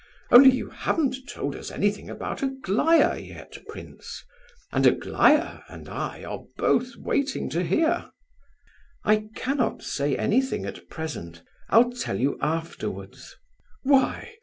Only you haven't told us anything about Aglaya yet, prince; and Aglaya and I are both waiting to hear." "I cannot say anything at present. I'll tell you afterwards." "Why?